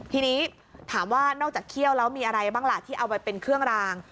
ทีนี้ถามว่านอกจากเคี่ยวแล้วมีอะไรบ้างล่ะที่เอาไปเป็นเครื่องราง